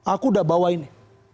aku udah bawa ini